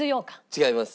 違います。